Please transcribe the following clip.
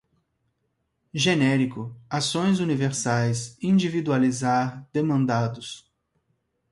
genérico, ações universais, individualizar, demandados